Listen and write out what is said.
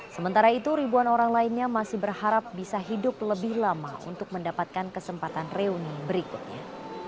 sementara itu ribuan orang lainnya masih berharap bisa hidup lebih lama untuk mendapatkan kesempatan reuni berikutnya